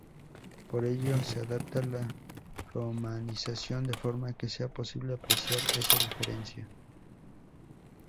Por ello, se adapta la romanización de forma que sea posible apreciar esa diferencia.